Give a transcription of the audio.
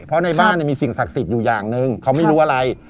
เพราะในบ้านมีสิ่งศักดิ์สิทธิ์อยู่อย่างหนึ่งเขาไม่รู้อะไร